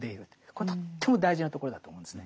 これとっても大事なところだと思うんですね。